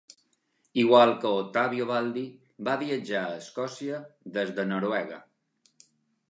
Igual que Ottavio Baldi, va viatjar a Escòcia des de Noruega.